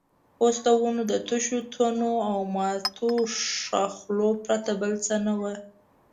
اوس د ونو د تشو تنو او ماتو ښاخلو پرته بل څه نه وو.